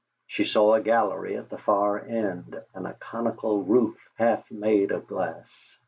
She saw a gallery at the far end, and a conical roof half made of glass.